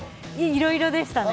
いろいろでしたね。